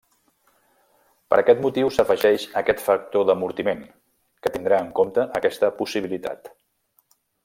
Per aquest motiu s'afegeix aquest factor d'amortiment, que tindrà en compte aquesta possibilitat.